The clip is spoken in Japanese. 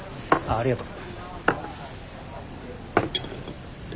あありがとう。